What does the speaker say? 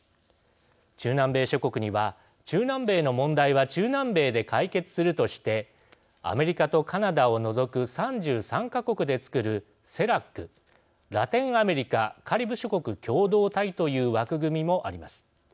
中南米諸国には中南米の問題は中南米で解決するとして、アメリカとカナダを除く３３か国でつくるＣＥＬＡＣ＝ラテンアメリカ・カリブ諸国共同体という枠組みもあります。